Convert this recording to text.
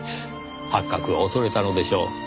発覚を恐れたのでしょう。